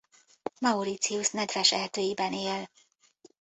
Mauritius nedves erdőiben él.